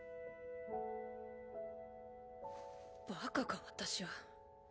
バカか私は。